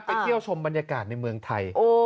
เที่ยวชมบรรยากาศในเมืองไทย